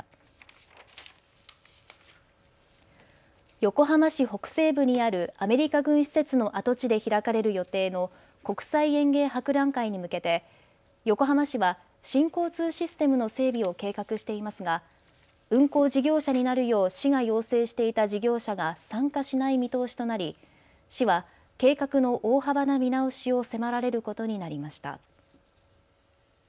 横浜市北西部にあるアメリカ軍施設の跡地で開かれる予定の国際園芸博覧会に向けて横浜市は新交通システムの整備を計画していますが運行事業者になるよう市が要請していた事業者が参加しない見通しとなり市は計画の大幅な見直しを迫られることになりました。